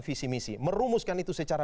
visi misi merumuskan itu secara